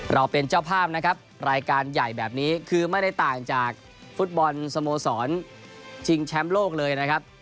เราเป็นเจ้าภาพนะครับรายการใหญ่แบบนี้คือไม่ได้ต่างจากฟุตบอลสโมสรชิงแชมป์โลกเลยนะครับ